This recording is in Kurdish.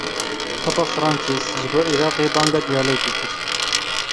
Papa Francis ji bo Iraqê banga diyalogê kir.